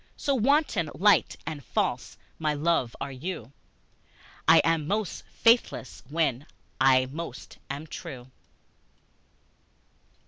So wanton, light and false, my love, are you, I am most faithless when I most am true.